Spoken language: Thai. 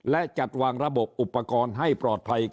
และจัดวางระบบอุปกรณ์ให้ปลอดภัย